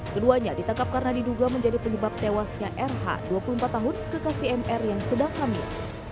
keduanya ditangkap karena diduga menjadi penyebab tewasnya rh dua puluh empat tahun kekasih mr yang sedang hamil